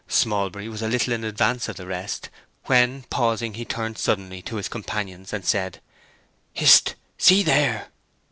Smallbury was a little in advance of the rest when, pausing, he turned suddenly to his companions and said, "Hist! See there."